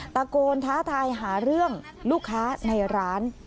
ตะโกนท้าทายหาเรื่องลูกค้าในร้าน